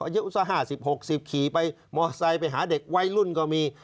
อยู่อุตส่าห์ห้าสิบหกสิบขี่ไปมอไซด์ไปหาเด็กวัยรุ่นก็มี